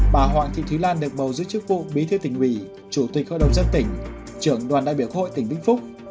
bà hoàng thị thúy lan được bầu giữ chức vụ bí thư tỉnh ủy chủ tịch hội đồng dân tỉnh trưởng đoàn đại biểu hội tỉnh vĩnh phúc